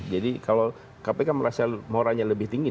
jadi kalau kpk merasa moralnya lebih tinggi